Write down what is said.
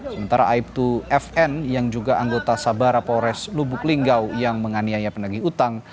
sementara aibtu fn yang juga anggota sabara polres lubuk linggau yang menganiaya penagi utang